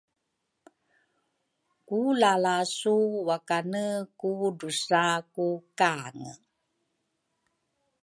ku lalasu wakane ku ngudusa ku kange.